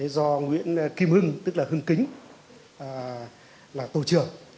do nguyễn kim hưng tức là hưng kính là tổ trưởng